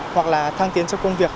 hoặc là thăng tiến cho công việc